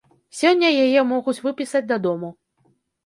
Сёння яе могуць выпісаць дадому.